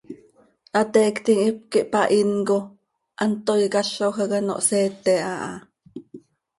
Hateiictim hipquih hpahinco, hant toii cazoj hac ano hseete aha.